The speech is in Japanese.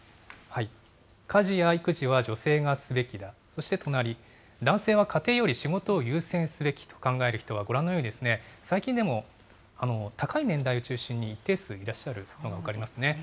家事や育児は女性がすべきだ、そして隣、男性は家庭より仕事を優先すべきと考える人はご覧のように、最近でも高い年代を中心に、一定数いらっしゃるのが分かりますね。